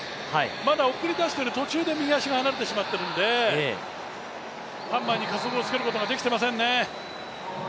まだ送り出している途中で右足が離れてしまっているので、ハンマーに加速をつけることができていませんね。